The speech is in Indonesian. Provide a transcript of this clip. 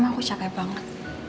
aku capek banget